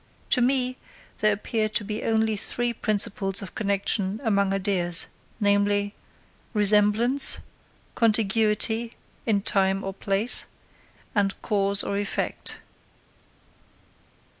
To me, there appear to be only three principles of connexion among ideas, namely, Resemblance, Contiguity in time or place, and Cause or Effect.